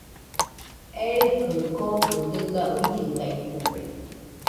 eikaɨ kookɨ dɨga uillɨtaitɨkue.